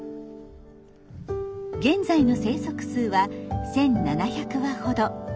現在の生息数は１，７００羽ほど。